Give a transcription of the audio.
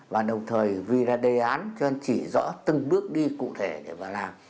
và đồng thời vì là đề án cho nên chỉ rõ từng bước đi cụ thể để mà làm